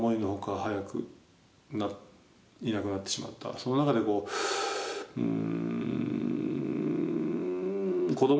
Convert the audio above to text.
その中でこううん。